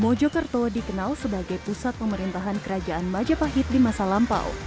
mojokerto dikenal sebagai pusat pemerintahan kerajaan majapahit di masa lampau